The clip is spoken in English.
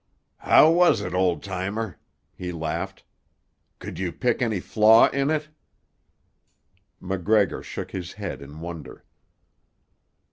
"How was it, old timer?" he laughed. "Could you pick any flaw in it?" MacGregor shook his head in wonder.